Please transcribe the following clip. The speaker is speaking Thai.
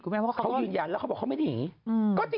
เขายืนยันแล้วเขาบอกเขาไม่ได้หนี